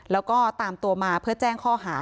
แล้วก็ตามตัวมาเพื่อแจ้งข้อหา